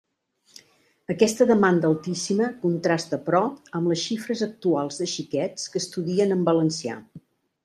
Aquesta demanda altíssima contrasta, però, amb les xifres actuals de xiquets que estudien en valencià.